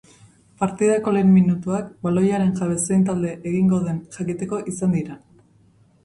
Partidako lehen minutuak baloiaren jabe zein talde egingo den jakiteko izan dira.